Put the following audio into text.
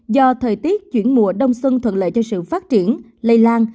do thời tiết chuyển mùa đông xuân thuận lợi cho sự phát triển lây lan